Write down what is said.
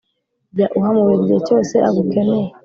jya uhamubera igihe cyose agukeneye,